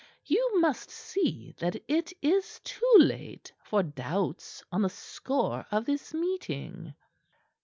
You must see that it is too late for doubts on the score of this meeting."